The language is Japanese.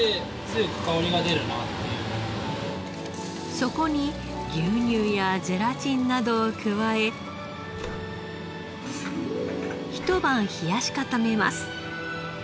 そこに牛乳やゼラチンなどを加えひと晩冷やし固めます。